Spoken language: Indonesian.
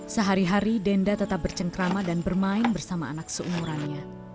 sehari hari denda tetap bercengkrama dan bermain bersama anak seumurannya